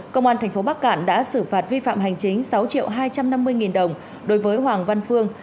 công an tp bắc cạn đã xử phạt vi phạm hành chính sáu triệu hai trăm năm mươi nghìn đồng đối với hoàng văn phương